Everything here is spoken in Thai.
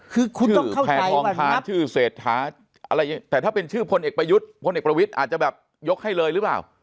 คือคุณต้องเข้าใจวันนี้แต่ถ้าเป็นชื่อพลเอกประยุทธ์พลเอกประวิทธ์อาจจะยกให้เลยหรือเปล่า